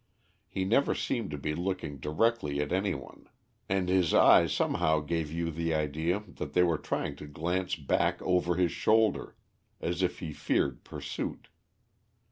He never seemed to be looking directly at any one, and his eyes somehow gave you the idea that they were trying to glance back over his shoulder, as if he feared pursuit.